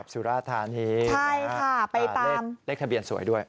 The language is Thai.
กับสุรธารณีเลขทะเบียนสวยด้วย